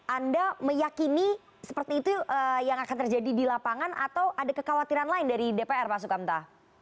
anda meyakini seperti itu yang akan terjadi di lapangan atau ada kekhawatiran lain dari dpr pak sukamta